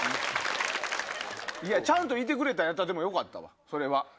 ちゃんといてくれたんやったらよかったわ。